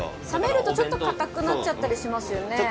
冷めるとちょっとかたくなっちゃったりしますよね。